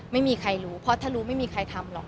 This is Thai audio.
ไม่มีใครรู้เพราะถ้ารู้ไม่มีใครทำหรอก